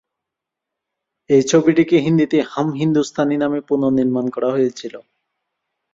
এই ছবিটিকে হিন্দিতে "হাম হিন্দুস্তানি" নামে পুনর্নির্মাণ করা হয়েছিল।